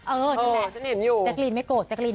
เออนี่แหละจักรีนไม่โกรธไม่โกรธ